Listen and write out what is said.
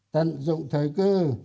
tận dụng thời cư